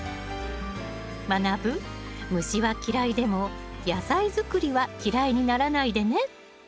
まなぶ虫は嫌いでも野菜作りは嫌いにならないでね。